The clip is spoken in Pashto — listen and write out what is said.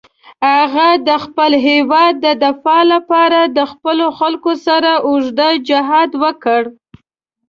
هغه د خپل هېواد د دفاع لپاره د خپلو خلکو سره اوږد جهاد وکړ.